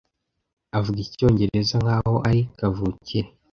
Avuga Icyongereza nkaho ari kavukire.